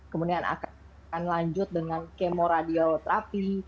kemudian akan lanjut dengan kemo radioterapi